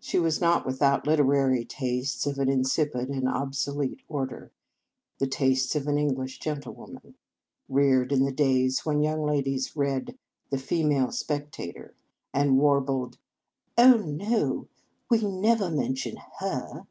She was not without literary tastes of an insipid and obsolete order, the tastes of an English gentlewoman, reared in the days when young ladies read the " Female Spectator," and warbled " Oh, no, we never mention her."